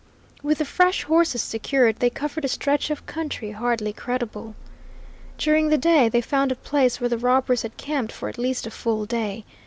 With the fresh horses secured, they covered a stretch of country hardly credible. During the day they found a place where the robbers had camped for at least a full day.